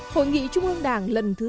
hội nghị trung ương đảng lần thứ hai